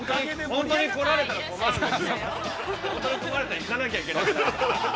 本当に来られたら行かなきゃいけなくなるから。